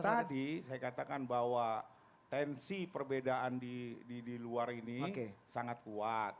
tadi saya katakan bahwa tensi perbedaan di luar ini sangat kuat